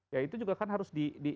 ya itu juga kan harus di